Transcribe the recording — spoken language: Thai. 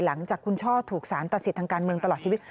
หลังจากคุณช่อถูกสารตัดสิทธิ์ทางการเมืองตลอดชีวิต